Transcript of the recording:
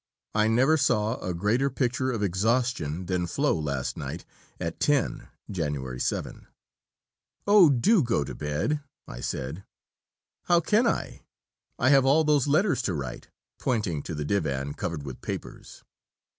I never saw a greater picture of exhaustion than Flo last night at ten (Jan. 7). 'Oh, do go to bed,' I said. 'How can I; I have all those letters to write,' pointing to the divan covered with papers.